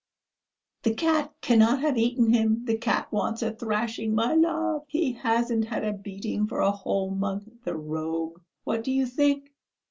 The cat cannot have eaten him. The cat wants a thrashing, my love, he hasn't had a beating for a whole month, the rogue. What do you think?